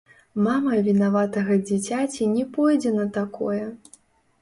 Мама вінаватага дзіцяці не пойдзе на такое.